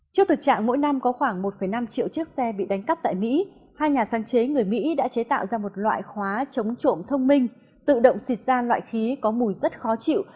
trước thực trạng mỗi năm có khoảng một năm triệu chiếc xe bị đánh cắp tại mỹ hai nhà sáng chế người mỹ đã chế tạo ra một loại khóa chống trộm thông minh tự động xịt ra loại khí có mùi rất khó chịu